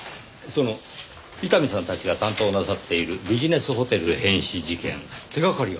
その伊丹さんたちが担当なさっているビジネスホテル変死事件手掛かりが見えてきたとか。